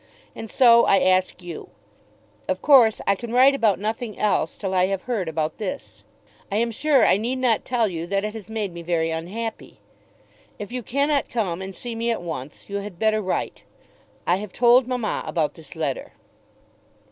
And so I ask you. Of course I can write about nothing else till I have heard about this. I am sure I need not tell you that it has made me very unhappy. If you cannot come and see me at once, you had better write. I have told mamma about this letter.